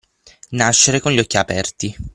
Nascere con gli occhi aperti.